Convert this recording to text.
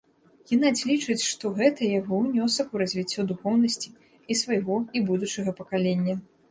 Генадзь лічыць, што гэта яго ўнёсак у развіццё духоўнасці і свайго, і будучага пакалення.